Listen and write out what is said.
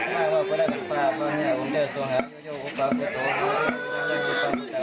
ก็อย่าบิ้วนะ